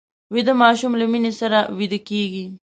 ویده ماشوم له مینې سره ویده کېږي